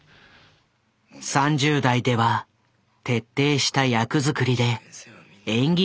３０代では徹底した役作りで演技派へと転身。